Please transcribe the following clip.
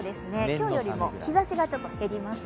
今日よりも日ざしがちょっと減ります。